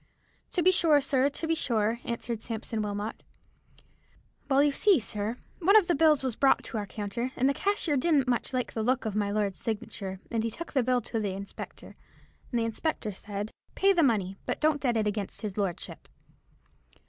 "To be sure, sir, to be sure," answered Sampson Wilmot. "Well, you see, sir, one of the bills was brought to our counter, and the cashier didn't much like the look of my lord's signature, and he took the bill to the inspector, and the inspector said,' Pay the money, but don't debit it against his lordship.'